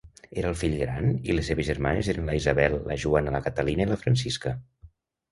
Era el fill gran i les seves germanes eren la Isabel, la Juana, la Catalina i la Francisca.